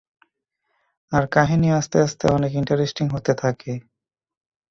আর কাহিনী আস্তে আস্তে অনেক ইন্টারেস্টিং হতে থাকে।